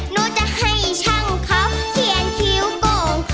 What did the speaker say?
หนูจะให้ช่างเขาเขียนคิ้วโกง